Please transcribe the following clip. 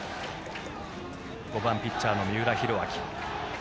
５番、ピッチャーの三浦寛明。